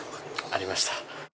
ありました。